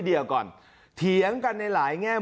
เถียงได้หลายแห่งมุมแหลกเขาเพราะว่า